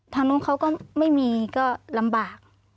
ทางนู้นเขาก็ไม่มีก็ลำบาก